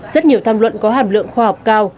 rất nhiều tham luận có hàm lượng khoa học cao